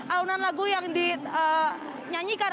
aunan lagu yang dinyanyikan